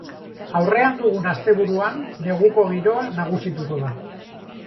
Aurrean dugun asteburuan neguko giroa nagusituko da.